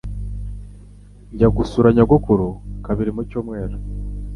Njya gusura nyogokuru kabiri mu cyumweru.